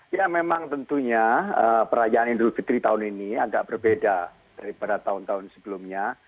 ya memang tentunya perayaan idul fitri tahun ini agak berbeda daripada tahun tahun sebelumnya